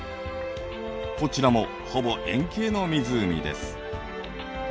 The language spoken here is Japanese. こちらもほぼ円形の湖です。